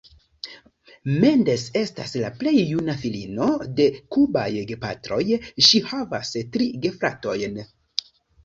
Mendes estas la plej juna filino de kubaj gepatroj, ŝi havas tri gefratojn.